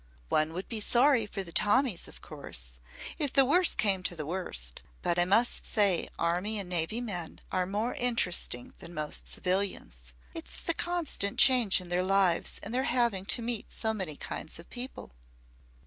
"One would be sorry for the Tommies, of course, if the worst came to the worst. But I must say army and navy men are more interesting than most civilians. It's the constant change in their lives, and their having to meet so many kinds of people."